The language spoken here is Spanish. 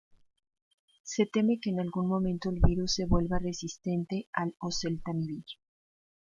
Se teme que en algún momento el virus se vuelva resistente al oseltamivir.